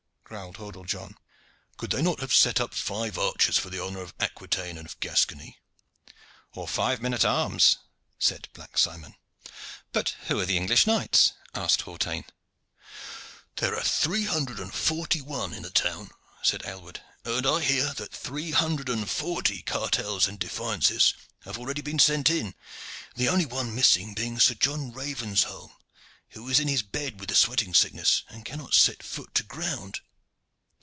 growled Hordle John. "Could they not set up five archers for the honor of Aquitaine and of Gascony?" "Or five men at arms," said Black Simon. "But who are the English knights?" asked Hawtayne. "There are three hundred and forty one in the town," said Aylward, "and I hear that three hundred and forty cartels and defiances have already been sent in, the only one missing being Sir John Ravensholme, who is in his bed with the sweating sickness, and cannot set foot to ground."